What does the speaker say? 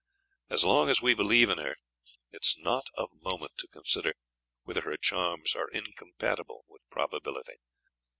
As long as we believe in her, it is not of moment to consider whether her charms are incompatible with probability.